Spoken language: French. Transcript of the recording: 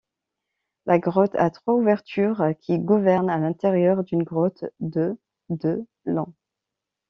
La grotte a trois ouvertures qui convergent à l'intérieur d'une grotte de de long.